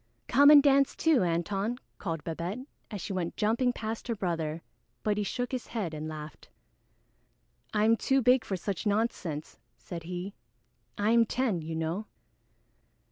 "Come and dance too, Antone," called Babette, as she went jumping past her brother, but he shook his head and laughed. "I am too big for such nonsense," said he. "I am ten, you know."